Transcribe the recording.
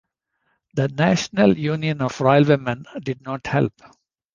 The National Union of Railwaymen did not help.